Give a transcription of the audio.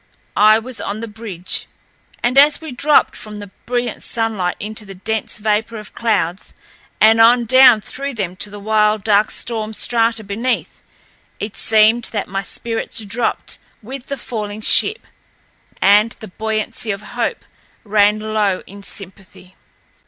I was on the bridge, and as we dropped from the brilliant sunlight into the dense vapor of clouds and on down through them to the wild, dark storm strata beneath, it seemed that my spirits dropped with the falling ship, and the buoyancy of hope ran low in sympathy.